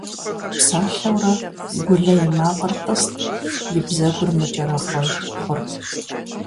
Псалъэурэ, Гулэ и макъыр тӀыст, и бзэгур мыкӀэрэхъуэж хъурт.